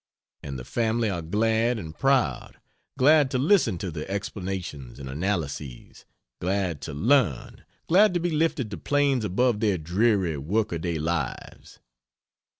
And the family are glad and proud; glad to listen to the explanations and analyses, glad to learn, glad to be lifted to planes above their dreary workaday lives.